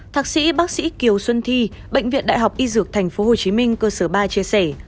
thạc sĩ bác sĩ kiều xuân thi bệnh viện đại học y dược tp hcm cơ sở ba chia sẻ